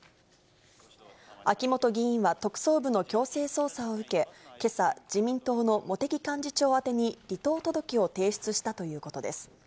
秋本議員は特捜部の強制捜査を受け、けさ、自民党の茂木幹事長宛てに離党届を提出したということです。